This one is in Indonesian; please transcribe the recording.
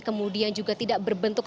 kemudian juga tidak berbentuk